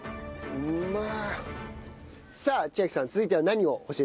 うまい。